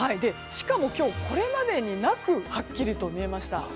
しかも今日これまでになくはっきりと見えました。